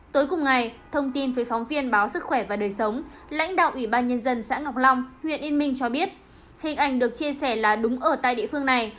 tối cùng ngày thông tin với phóng viên báo sức khỏe và đời sống lãnh đạo ủy ban nhân dân xã ngọc long huyện yên minh cho biết hình ảnh được chia sẻ là đúng ở tại địa phương này